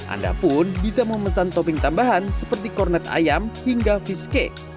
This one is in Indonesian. anda pun bisa memesan topping tambahan seperti kornet ayam hingga fish cake